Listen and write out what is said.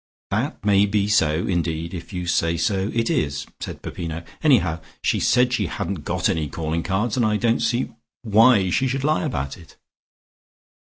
"That may be so, indeed, if you say so, it is," said Peppino. "Anyhow she said she hadn't got any calling cards, and I don't see why she should lie about it."